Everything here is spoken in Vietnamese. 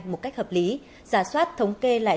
một cách hợp lý giả soát thống kê lại